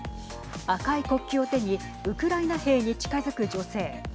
赤い国旗を手にウクライナ兵に近づく女性。